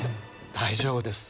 大丈夫です。